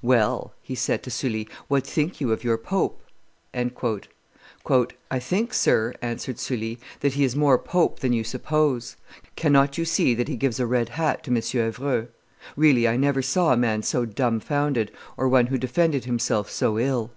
"Well," he said to Sully, "what think you of your pope?" "I think, sir," answered Sully, "that he is more pope than you suppose; cannot you see that he gives a red hat to M. d'Evreux? Really, I never saw a man so dumbfounded, or one who defended himself so ill.